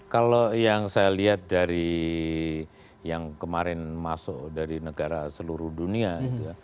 kalau yang saya lihat dari yang kemarin masuk dari negara seluruh dunia